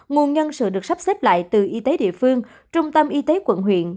nguồn nhân sự được sắp xếp lại từ y tế địa phương trung tâm y tế quận huyện